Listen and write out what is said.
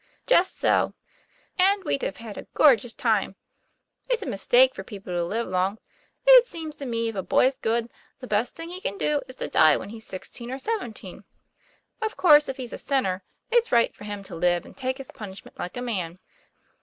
" Just so ; and we'd have had a gorgeous time. It's a mistake for people to live long. It seems to me if a boy's good, the best thing he can do is to die when he's sixteen or seventeen. Of course, if he's a sin ner, it's right for him to live and take his punish ment like a man."